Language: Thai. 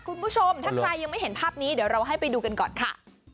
คุณผู้ชมถ้าใครยังไม่เห็นภาพนี้เดี๋ยวเราให้ไปดูกันก่อนค่ะ